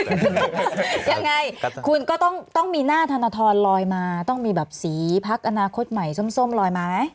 ยังไงคุณก็ต้องมีหน้าธนทรลอยมาต้องมีแบบสีพักอนาคตใหม่ส้มลอยมาไหม